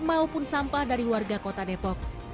dan dari warga kota depok